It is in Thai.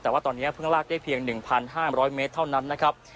แต่ว่าตอนเนี้ยเพิ่งลากได้เพียงหนึ่งพันห้าร้อยเมตรเท่านั้นนะครับ